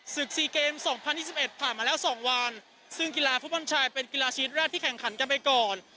สิกสีเกมสองพันยี่สิบเอ็ดผ่านมาแล้วสองวันซึ่งกีฬาฟุตบอลชายเป็นกีฬาชีวิตแรกที่แข่งขันกันไปก่อน